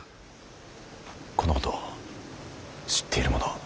このこと知っている者は。